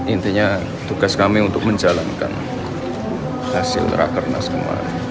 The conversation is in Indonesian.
intinya tugas kami untuk menjalankan hasil rakernas kemarin